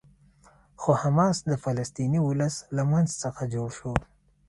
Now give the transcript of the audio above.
خو حماس د فلسطیني ولس له منځ څخه جوړ شو.